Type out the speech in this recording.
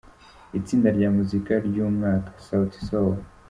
Itsinda rya muzika ry’umwaka: Sauti Sol.